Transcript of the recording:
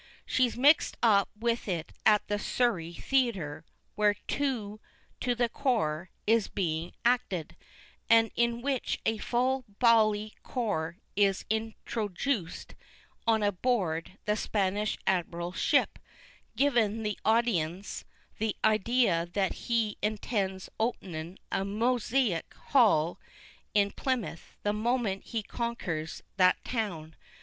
She's mixed up with it at the Surrey Theatre, where Troo to the Core is bein acted, and in which a full bally core is introjooced on board the Spanish Admiral's ship, givin' the audiens the idea that he intends openin a moosic hall in Plymouth the moment he conkers that town.